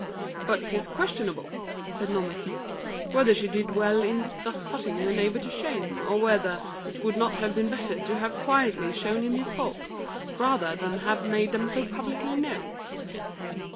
"But 'tis questionable," said Nomerfide, "whether she did well in thus putting her neighbour to shame, or whether 'twould not have been better to have quietly shown him his faults, rather than have made them so publicly known."